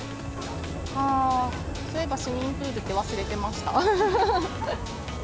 そういえば市民プールって忘れてました。